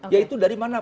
yaitu dari mana